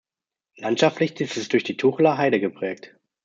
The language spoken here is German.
Landschaftlich ist es durch die Tucheler Heide geprägt.